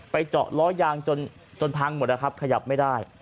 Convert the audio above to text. เจาะล้อยางจนพังหมดนะครับขยับไม่ได้